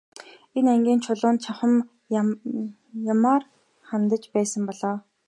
Энэ ангийнхан Чулуунд чухам ямраар хандаж байсан бол оо.